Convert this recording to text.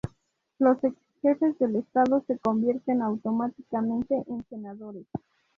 Los ex jefes de Estado se convierten automáticamente en senadores.